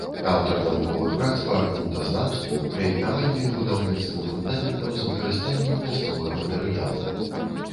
Аўтар навуковых прац па грунтазнаўству, праектаванню і будаўніцтву фундаментаў з выкарыстаннем мясцовых матэрыялаў.